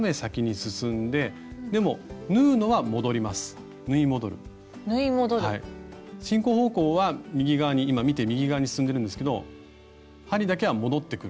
進行方向は今見て右側に進んでるんですけど針だけは戻ってくる。